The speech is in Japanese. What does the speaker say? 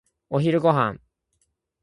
お昼ご飯。